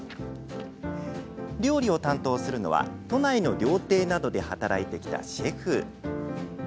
料理を担当するのは、都内の料亭などで働いてきたシェフ。